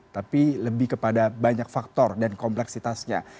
tapi lebih kepada banyak faktor dan kompleksitasnya